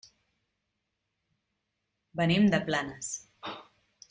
Venim de Planes.